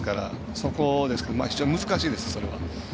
そこですけど非常に難しいです、それは。